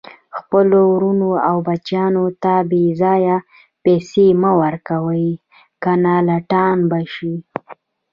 خپلو ورونو او بچیانو ته بیځایه پیسي مه ورکوئ، کنه لټان به شي